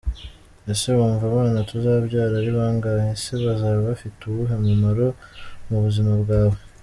Ese wumva abana tuzabyara ari bangahe ? Ese bazaba bafite uwuhe mumaro mu buzima bwawe?.